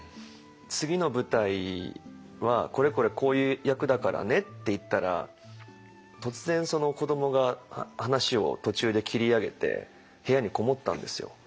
次の舞台は「これこれこういう役だからね」って言ったら突然子どもが話を途中で切り上げて部屋に籠もったんですよ。